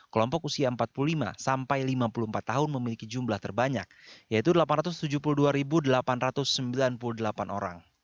kelompok usia empat puluh lima sampai lima puluh empat tahun memiliki jumlah terbanyak yaitu delapan ratus tujuh puluh dua delapan ratus sembilan puluh delapan orang